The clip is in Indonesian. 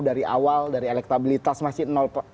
dari awal dari elektabilitas masih